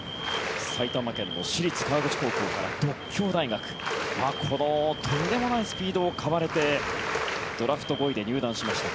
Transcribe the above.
埼玉県の川口高校から獨協大学このとんでもないスピードを買われてドラフト５位で入団しました。